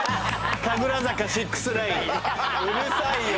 神楽坂６９うるさいよ！